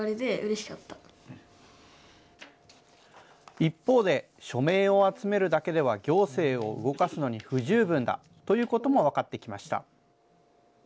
一方で、署名を集めるだけでは行政を動かすのに不十分だということも分かってきました。